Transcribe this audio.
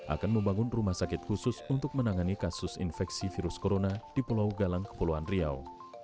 akan membangun rumah sakit khusus untuk menangani kasus infeksi virus corona di pulau galang kepulauan riau